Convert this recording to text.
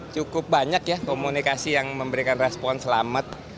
cukup banyak ya komunikasi yang memberikan respon selamat